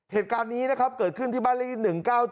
เหตุการณ์นี้นะครับเกิดขึ้นที่บ้านเลขที่๑๙๗